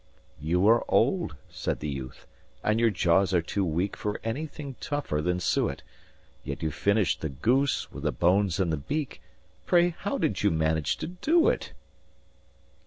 "You are old," said the youth, "and your jaws are too weak For anything tougher than suet; Yet you finished the goose, with the bones and the beak Pray, how did you manage to do it?"